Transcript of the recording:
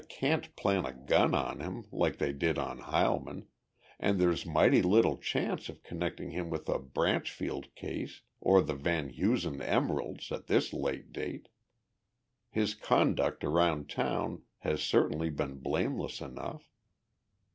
I can't plant a gun on him, like they did on Heilman, and there's mighty little chance of connecting him with the Branchfield case or the van Husen emeralds at this late date. His conduct around town has certainly been blameless enough.